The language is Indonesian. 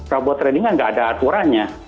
robot trading kan nggak ada aturannya